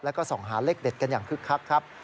แล้วก็ส่องหาเลขเด็ดกันอย่างคึกคักครับ